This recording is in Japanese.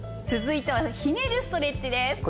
続いてはひねるストレッチです。